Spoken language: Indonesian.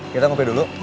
kita kopi dulu